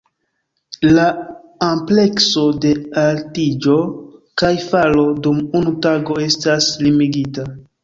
La amplekso de altiĝo kaj falo dum unu tago estas limigita.